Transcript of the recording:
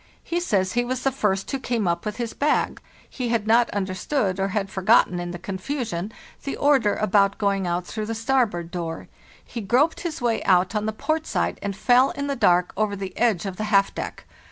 He says he was the first who came up with his bag. He had not understood, or had forgotten, in the confusion, the order about going out through the starboard door; he groped his way out on the port side and fell in the dark over the edge of the half deck.